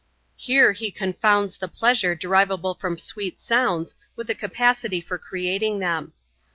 He here confounds the pleasure derivable from sweet sounds with the capacity for creating them.